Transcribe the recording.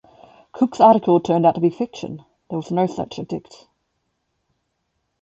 Cooke's article turned out to be fiction: there was no such addict.